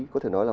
có thể nói là